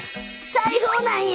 裁縫なんや！